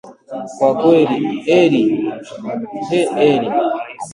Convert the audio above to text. Kwa kwa he heriii